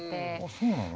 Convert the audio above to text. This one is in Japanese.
そうなの？